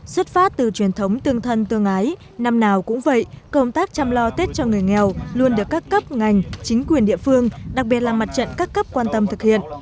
xuất phát từ truyền thống tương thân tương ái năm nào cũng vậy công tác chăm lo tết cho người nghèo luôn được các cấp ngành chính quyền địa phương đặc biệt là mặt trận các cấp quan tâm thực hiện